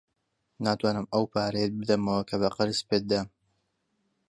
ناتوانم ئەو پارەیەت بدەمەوە کە بە قەرز پێت دام.